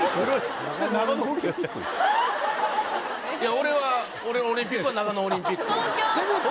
俺は俺のオリンピックは長野オリンピック